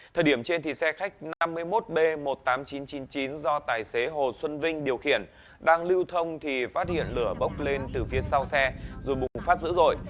thời điểm trên xe khách năm mươi một b một mươi tám nghìn chín trăm chín mươi chín do tài xế hồ xuân vinh điều khiển đang lưu thông thì phát hiện lửa bốc lên từ phía sau xe rồi bùng phát dữ dội